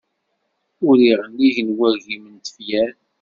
Uriɣ nnig n wagim n tefyar.